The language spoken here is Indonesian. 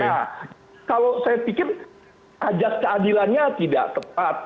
nah kalau saya pikir ajas keadilannya tidak tepat